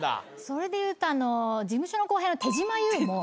それでいうと事務所の後輩の手島優も。